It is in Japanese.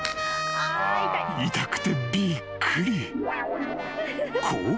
［痛くてびっくり］